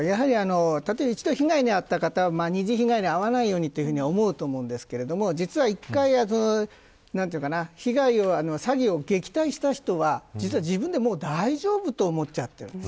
一度、被害に遭った方二次被害に遭わないようにと思うんですけど実は１回、被害を詐欺を撃退した人は自分で大丈夫だと思っちゃっている。